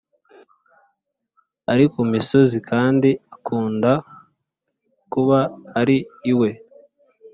ari ku misozi kandi akunda kuba ari iwe